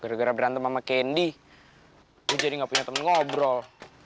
gara gara berantem sama kendi gue jadi gak punya temen ngobrol